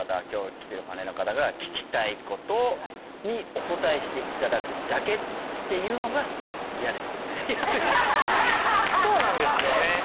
今日来てるパネラーの方が聞きたいことにお答えしていただくだけっていうのが嫌ですそうなんですよね